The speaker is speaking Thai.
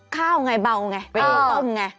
ข้าวไงเบาไงไปดูต้มไง